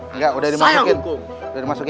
enggak udah dimasukin